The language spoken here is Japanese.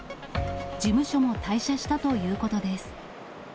事務所も退社したということです。